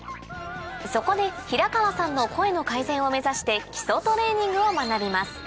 そこで平川さんの声の改善を目指して基礎トレーニングを学びます